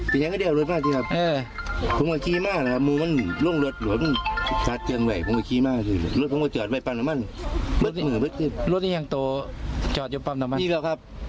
โอ๊ยกระจักรสิ้นมาส่วนหนึ่งแล้วครับ